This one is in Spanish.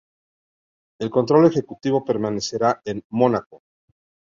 El control ejecutivo permanecerá en Mónaco.